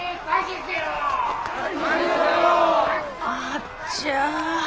あっちゃ。